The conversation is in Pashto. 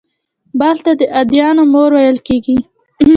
بلخ ته «د ادیانو مور» ویل کېږي